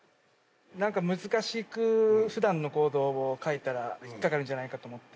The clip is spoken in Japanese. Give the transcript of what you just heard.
何か難しく普段の行動を書いたら引っ掛かるんじゃないかと思って。